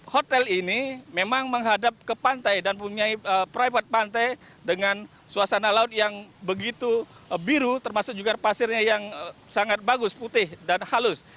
hotel ini memang menghadap ke pantai dan punya private pantai dengan suasana laut yang begitu biru termasuk juga pasirnya yang sangat bagus putih dan halus